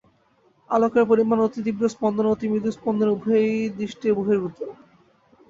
আলোকের পরমাণুর অতি তীব্র স্পন্দন ও অতি মৃদু স্পন্দন উভয়ই দৃষ্টির বহির্ভূত।